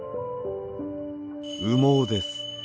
羽毛です。